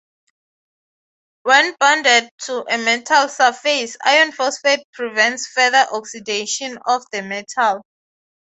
When bonded to a metal surface, iron phosphate prevents further oxidation of the metal.